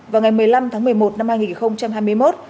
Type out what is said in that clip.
vào ngày một mươi năm tháng một mươi một năm hai nghìn hai mươi một